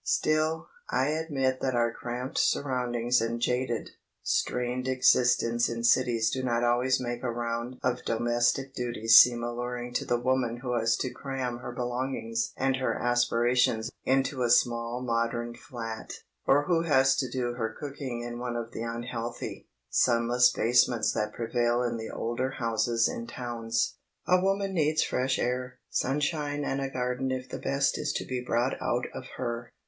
Still, I admit that our cramped surroundings and jaded, strained existence in cities do not always make a round of domestic duties seem alluring to the woman who has to cram her belongings and her aspirations into a small modern flat, or who has to do her cooking in one of the unhealthy, sunless basements that prevail in the older houses in towns. A woman needs fresh air, sunshine and a garden if the best is to be brought out of her.